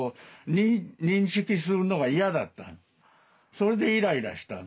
それでイライラした。